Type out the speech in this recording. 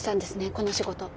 この仕事。